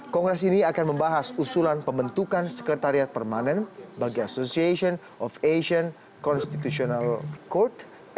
kongres ini akan membahas usulan pembentukan sekretariat permanen bagi association of asian constitutional code